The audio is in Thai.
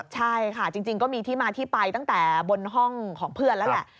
ใช่ค่ะจริงก็มีที่มาที่ไปตั้งแต่บนห้องของเพื่อนแล้วแหละ